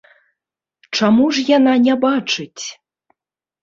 Чаму ж яна не бачыць?